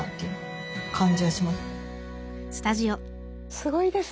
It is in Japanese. すごいですね。